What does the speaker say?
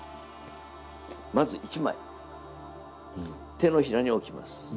まず１枚、手の平に置きます。